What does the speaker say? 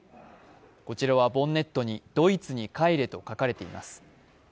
こちらはボンネットにドイツに帰れと書かれています。